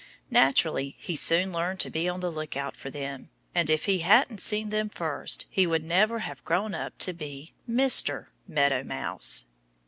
Naturally, he soon learned to be on the lookout for them. And if he hadn't seen them first he would never have grown up to be Mister Meadow Mouse.